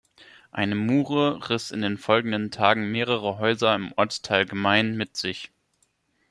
Eine Mure riss in den folgenden Tagen mehrere Häuser im Ortsteil Gmain mit sich.